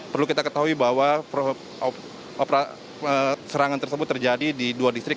perlu kita ketahui bahwa serangan tersebut terjadi di dua distrik